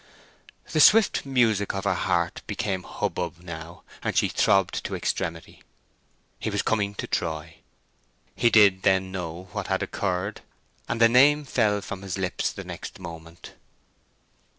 The swift music of her heart became hubbub now, and she throbbed to extremity. He was coming to Troy. He did then know what had occurred! And the name fell from his lips the next moment.